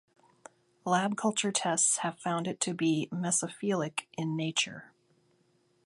Lab culture tests have found it to be mesophilic in nature.